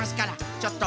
ちょっと。